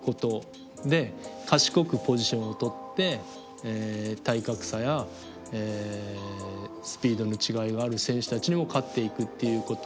で賢くポジションをとって体格差やスピードの違いがある選手たちにも勝っていくっていうこと。